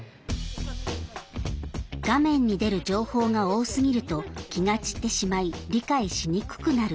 画面に出る情報が多すぎると気が散ってしまい理解しにくくなる。